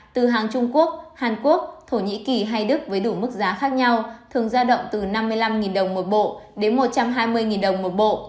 từ hàng trung quốc hàn quốc thổ nhĩ kỳ hay đức với đủ mức giá khác nhau thường giao động từ năm mươi năm đồng một bộ đến một trăm hai mươi đồng một bộ